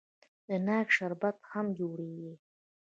د ناک شربت هم جوړیږي.